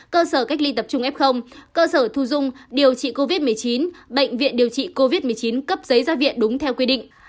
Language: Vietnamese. cơ sở cách ly tập trung f cơ sở thu dung điều trị covid một mươi chín bệnh viện điều trị covid một mươi chín cấp giấy gia viện đúng theo quy định